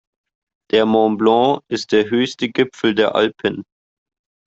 Der Mont Blanc ist der höchste Gipfel der Alpen.